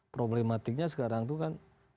problematiknya sekarang itu kan